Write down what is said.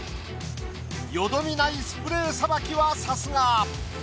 よどみないスプレーさばきはさすが。